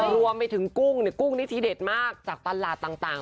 รวมไปถึงกุ้งกุ้งนี่ทีเด็ดมากจากตลาดต่าง